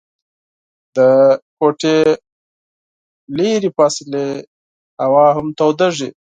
د کوټې لیري فاصلې هوا هم تودیږي.